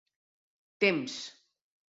Temps.